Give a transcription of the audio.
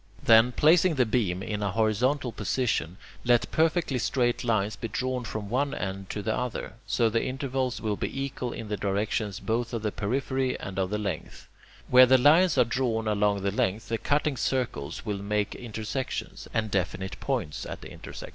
Then, placing the beam in a horizontal position, let perfectly straight lines be drawn from one end to the other. So the intervals will be equal in the directions both of the periphery and of the length. Where the lines are drawn along the length, the cutting circles will make intersections, and definite points at the intersections.